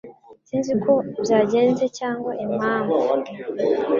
Sinzi uko byagenze cyangwa impamvu.